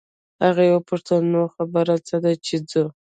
هغې وپوښتل نو خبره څه ده چې ځو.